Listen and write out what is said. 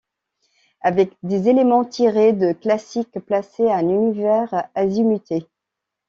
Avec des éléments tirés de classiques placés un univers azimuté.